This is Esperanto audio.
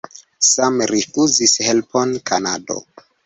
Same rifuzis helpon Kanado.